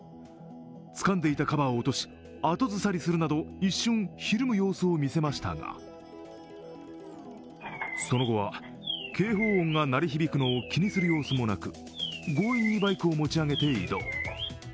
つかんでいたカバーを落とし、後ずさりするなど一瞬ひるむ様子を見せましたが、その後は警報音が鳴り響くのを気にする様子もなく強引にバイクを持ち上げて移動。